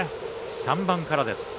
３番からです。